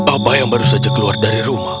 abah yang baru saja keluar dari rumah